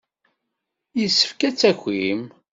Yessefk ad d-takim.